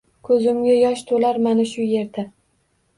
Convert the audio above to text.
Ko’zimga yosh to’lar mana shu yerda.